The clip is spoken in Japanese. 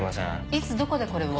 いつどこでこれを？